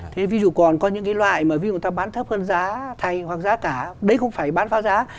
thế ví dụ còn có những cái loại mà ví dụ người ta bán thấp hơn giá thành hoặc giá cả đấy không phải bán phá giá